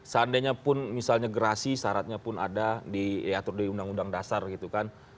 seandainya pun misalnya gerasi syaratnya pun ada diatur di undang undang dasar gitu kan